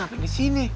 pak rt ngakak disini